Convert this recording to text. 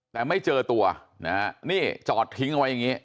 แต่ไม่เจอตัวนะฮะนี่จอดทิ้งไว้อย่างนี้